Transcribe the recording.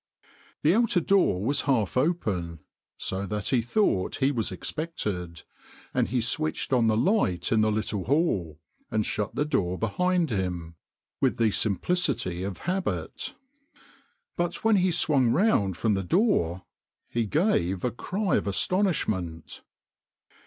The outer door was half open so that he thought he was expected, and he switched on the light in the little hall, and shut the door behind him with the simplicity 180 THE COFFIN MERCHANT of habit. But when he swung round from the door he gave a cry of astonishment.